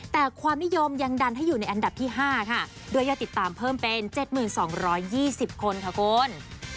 แต่ความนิยมยังดันให้อยู่ในอันดับที่๕ค่ะด้วยยอดติดตามเพิ่มเป็น๗๒๒๐คนค่ะคุณ